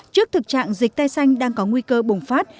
trước thực trạng dịch tay xanh đang có nguy cơ bùng phát